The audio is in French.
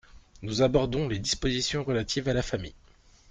Nous abordons les dispositions relatives à la famille.